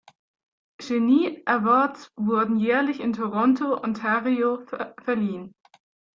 Genie Awards wurden jährlich in Toronto, Ontario, verliehen.